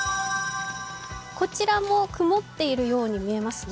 こちらも曇っているように見えますね。